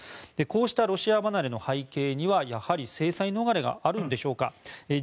こうしたロシア離れの背景にはやはり制裁逃れがあるんでしょうか。